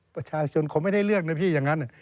ประชาชนคงไม่ได้เลือกนะพี่อย่างนั้น